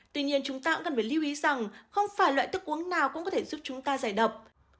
tuy nhiên chúng ta cũng cần phải lưu ý rằng không phải loại thức uống nào cũng có thể giúp chúng ta giải độc